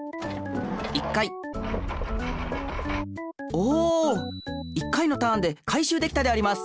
おお１回のターンで回しゅうできたであります。